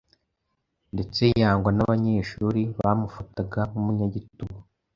ndetse yangwa n’abanyeshuri. Bamufataga nk’umunyagitugu,